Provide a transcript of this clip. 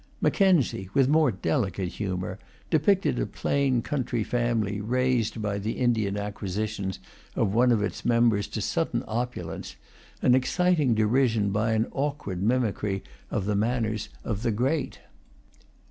Mackenzie, with more delicate humour, depicted a plain country family raised by the Indian acquisitions of one of its members to sudden opulence, and exciting derision by an awkward mimicry of the manners of the great.